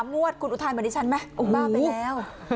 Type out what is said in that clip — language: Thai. งวดคุณอุทานเหมือนดิฉันไหมบ้าไปแล้ว